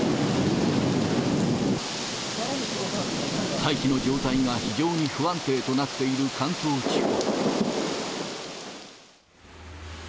大気の状態が非常に不安定となっている関東地方。